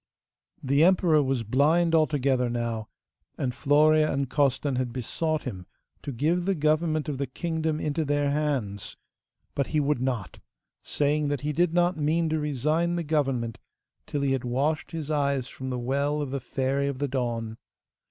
The emperor was blind altogether now, and Florea and Costan had besought him to give the government of the kingdom into their hands; but he would not, saying that he did not mean to resign the government till he had washed his eyes from the well of the Fairy of the Dawn.